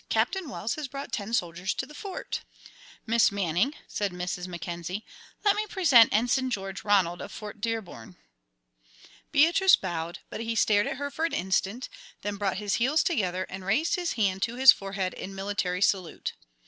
Captain Wells has brought ten soldiers to the Fort!" "Miss Manning," said Mrs. Mackenzie, "let me present Ensign George Ronald, of Fort Dearborn." Beatrice bowed, but he stared at her for an instant, then brought his heels together and raised his hand to his forehead in military salute.